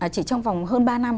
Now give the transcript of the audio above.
chỉ trong vòng hơn ba năm